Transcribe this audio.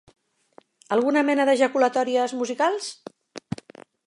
¿Alguna mena de jaculatòries musicals?